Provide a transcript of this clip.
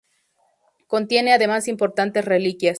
Contiene además importantes reliquias.